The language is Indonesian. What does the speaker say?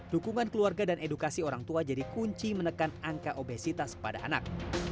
dukungan keluarga dan edukasi orang tua jadi kunci menekan angka obesitas pada anak